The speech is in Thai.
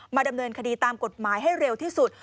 ดำเนินคดีตามกฎหมายให้เร็วที่สุด